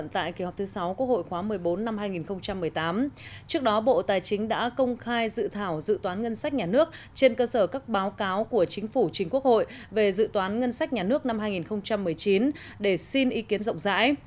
trên cơ sở các báo cáo của chính phủ chính quốc hội về dự toán ngân sách nhà nước năm hai nghìn một mươi chín để xin ý kiến rộng rãi